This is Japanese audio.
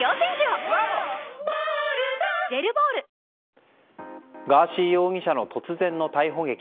わかるぞガーシー容疑者の突然の逮捕劇。